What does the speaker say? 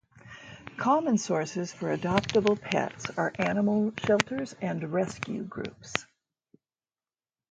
Common sources for adoptable pets are animal shelters and rescue groups.